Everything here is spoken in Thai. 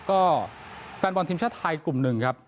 ก็แฟนบอลทีมชาติไทยกลุ่มหนึ่งครับ